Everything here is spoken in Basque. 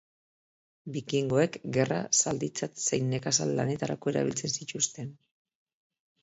Bikingoek gerra zalditzat zein nekazal lanetarako erabiltzen zituzten.